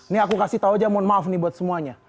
nih aku kasih tau aja mohon maaf nih buat semuanya